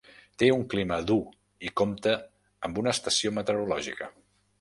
Té un clima dur i compta amb una estació meteorològica.